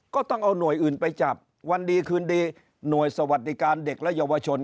ก็ต้องเอาหน่วยอื่นไปจับวันดีคืนดีหน่วยสวัสดิการเด็กและเยาวชน